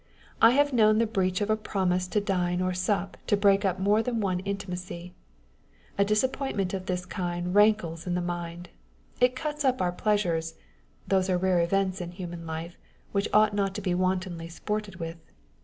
I have known the breach of a promise to dine or sup to break up more than one intimacy. A disappointment of this kind rankles in the mind â€" it cuts up our pleasures (those rare events in human life, which ought not to be wantonly sported with